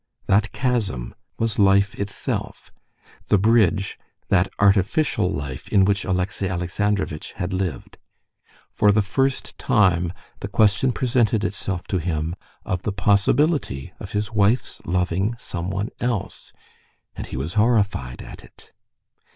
That chasm was life itself, the bridge that artificial life in which Alexey Alexandrovitch had lived. For the first time the question presented itself to him of the possibility of his wife's loving someone else, and he was horrified at it.